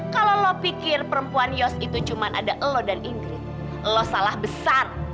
kalau lo pikir perempuan yos itu cuma ada lo dan inggris lo salah besar